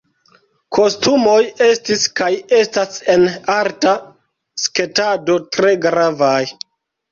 Kostumoj estis kaj estas en arta sketado tre gravaj.